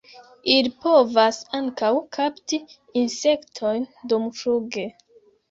Ili povas ankaŭ kapti insektojn dumfluge.